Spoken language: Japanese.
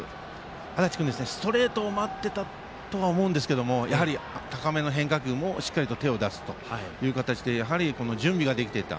安達君はストレートを待っていたと思いますが高めの変化球もしっかりと手を出すという形でやはり準備ができていた。